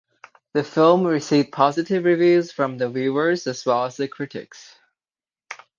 The film received positive reviews from the viewers as well as the critics.